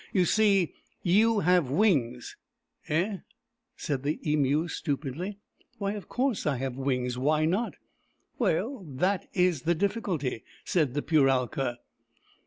You see, you have wings." " Eh ?" said the Emu stupidly. " Why, of course, I have wings. Why not ?"" Well, that is the difficulty," said the Puralka.